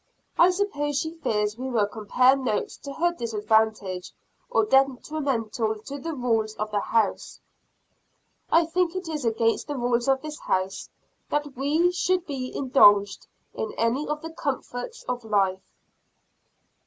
I suppose she fears we will compare notes to her disadvantage, or detrimental to the rules of the house. I think it is against the rules of this house that we should be indulged in any of the comforts of life.